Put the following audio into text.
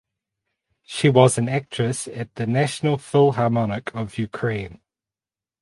She was an actress at the National Philharmonic of Ukraine.